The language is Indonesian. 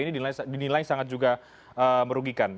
ini dinilai sangat juga merugikan